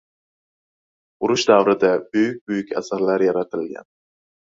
Urush davrida buyuk-buyuk asarlar yaratilgan.